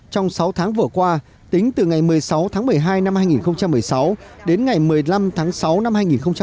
trong sáu tháng vừa qua tính từ ngày một mươi sáu tháng một mươi hai năm hai nghìn một mươi sáu đến ngày một mươi năm tháng sáu năm hai nghìn một mươi chín